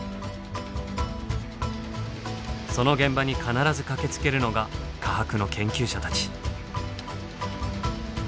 その現場に必ず駆けつけるのが科博の研究者たち。